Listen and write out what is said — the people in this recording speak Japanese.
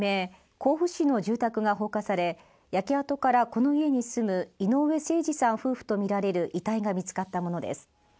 甲府市の住宅が放火され焼け跡からこの家に住む井上盛司さん夫婦とみられる遺体が見つかったものです